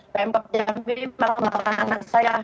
pemkop jambi malah melakukan anak saya